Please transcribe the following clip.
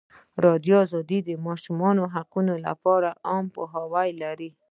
ازادي راډیو د د ماشومانو حقونه لپاره عامه پوهاوي لوړ کړی.